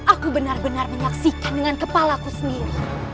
aku benar benar menyaksikan dengan kepala ku sendiri